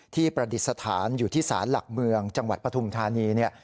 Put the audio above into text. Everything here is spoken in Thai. ประดิษฐานอยู่ที่ศาลหลักเมืองจังหวัดปฐุมธานีเนี่ย